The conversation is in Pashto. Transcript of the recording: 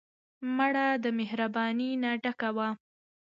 مړه د مهربانۍ نه ډکه وه